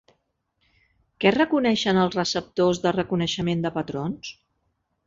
Què reconeixen els receptors de reconeixement de patrons?